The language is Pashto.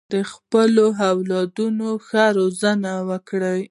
د خپلو اولادونو ښه روزنه وکړه.